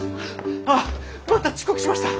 あっまた遅刻しました！